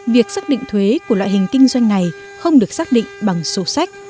việc xác định thuế của loại hình kinh doanh này không được xác định bằng sổ sách